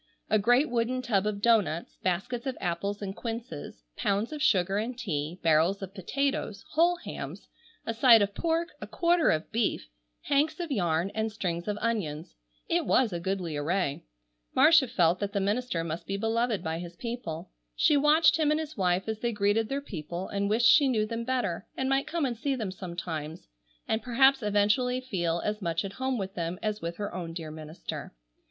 A great wooden tub of doughnuts, baskets of apples and quinces, pounds of sugar and tea, barrels of potatoes, whole hams, a side of pork, a quarter of beef, hanks of yarn, and strings of onions. It was a goodly array. Marcia felt that the minister must be beloved by his people. She watched him and his wife as they greeted their people, and wished she knew them better, and might come and see them sometimes, and perhaps eventually feel as much at home with them as with her own dear minister.